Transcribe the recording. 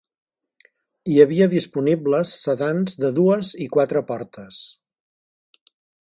Hi havia disponibles sedans de dues i quatre portes.